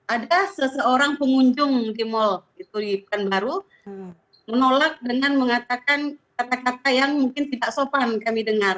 ada seseorang pengunjung di mal di pekanbaru menolak dengan mengatakan kata kata yang mungkin tidak sopan kami dengar